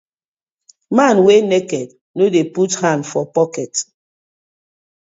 Man wey naked no dey put hand for pocket:.